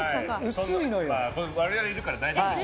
我々いるから大丈夫です。